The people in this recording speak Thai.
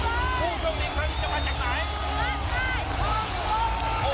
เย็นโน้นเลยนะคร๊าบ